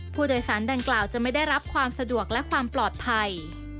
ผู้โดยสารดังกล่าวจะไม่ได้รับความสะดวกและความปลอดภัย